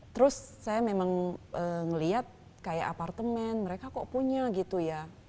terus saya memang ngelihat kayak apartemen mereka kok punya gitu ya